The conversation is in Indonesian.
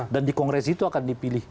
dan di kongres itu akan dipilih